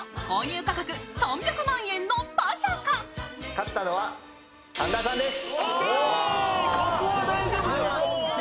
勝ったのは神田さんです。